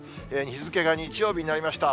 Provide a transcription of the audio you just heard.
日付が日曜日になりました。